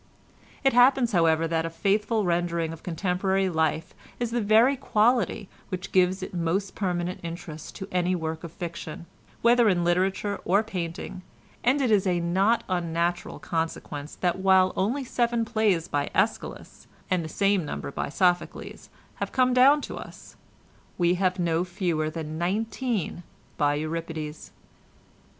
It happens, however, that a faithful rendering of contemporary life is the very quality which gives its most permanent interest to any work of fiction, whether in literature or painting, and it is a not unnatural consequence that while only seven plays by Æschylus, and the same number by Sophocles, have come down to us, we have no fewer than nineteen by Euripides.